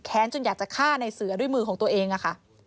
จนอยากจะฆ่าในเสือด้วยมือของตัวเองอะค่ะ